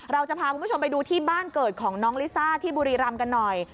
เราจะพาคุณผู้ชมไปดูที่บ้านเกิดของน้องลิซ่าที่บุรีรำกันหน่อย